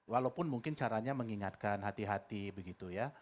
walaupun mungkin caranya mengingatkan hati hati begitu ya